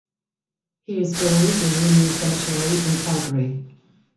He is buried in Union Cemetery in Calgary.